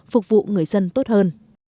phục vụ người dân tốt hơn